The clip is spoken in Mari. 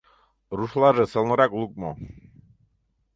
Рушлаже сылнырак лукмо.